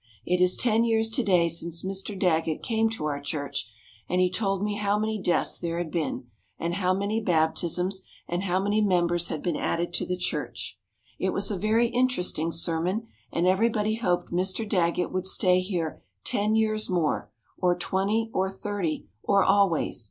It is ten years to day since Mr. Daggett came to our church, and he told how many deaths there had been, and how many baptisms, and how many members had been added to the church. It was a very interesting sermon, and everybody hoped Mr. Daggett would stay here ten years more, or twenty, or thirty, or always.